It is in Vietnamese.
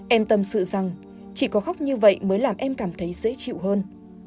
em tâm sự rằng chỉ có khóc như vậy mới làm em cảm thấy dễ chịu hơn